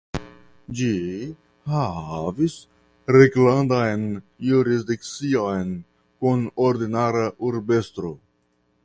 Ĝi havis reglandan jurisdikcion kun ordinara urbestro.